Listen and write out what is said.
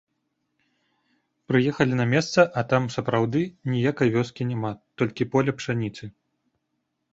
Прыехалі на месца, а там, сапраўды, ніякай вёскі няма, толькі поле пшаніцы.